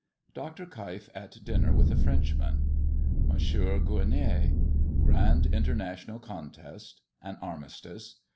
DR. KEIF AT DINNER WITH A FRENCHMAN. MONS. GUERONNAY. GRAND INTER NATIONAL CONTEST. AN ARMISTICE.